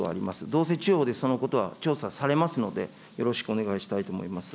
どうせ地方でそのことは調査されますので、よろしくお願いしたいと思います。